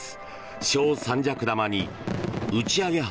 正三尺玉に打ち上げ幅